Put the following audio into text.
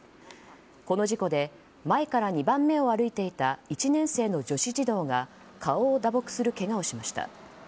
この事故で前から２番目を歩いていた１年生の女子児童が顔を打撲するけがをしました。